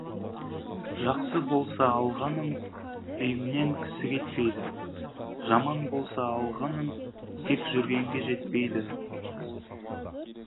Жақсы болса алғаның, үйіңнен кісі кетпейді, жаман болса алғаның, тек жүргенге жетпейді.